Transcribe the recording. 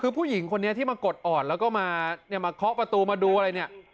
คือผู้หญิงคนนี้ที่มากดอ่อนแล้วก็มาเนี่ยมาเคาะประตูมาดูอะไรเนี่ย